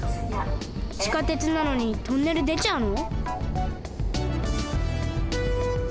地下鉄なのにトンネルでちゃうの？